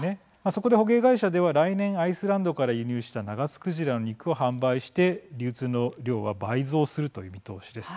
そこで捕鯨会社では、来年アイスランドから輸入したナガスクジラの肉を販売して流通の量は倍増するという見通しです。